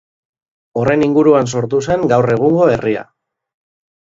Horren inguruan sortu zen gaur egungo herria.